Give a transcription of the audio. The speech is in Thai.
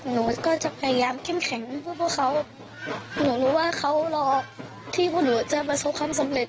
หนูก็จะพยายามเข้มแข็งเพื่อพวกเขาหนูรู้ว่าเขารอที่พวกหนูจะประสบความสำเร็จ